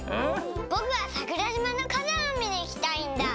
ぼくはさくらじまのかざんをみにいきたいんだ。